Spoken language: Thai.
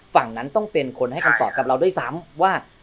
ฝั่งนั้นต้องเป็นคนให้คำตอบกับเราด้วยซ้ำว่า